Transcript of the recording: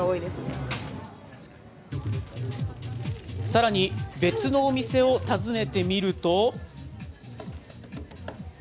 さらに、別のお店を訪ねてみると。